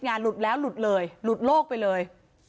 หลุดแล้วหลุดเลยหลุดโลกไปเลย